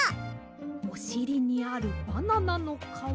おしりにあるバナナのかわ。